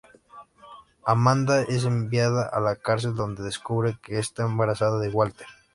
Amanda es enviada a la cárcel donde descubre que está embarazada de Walter.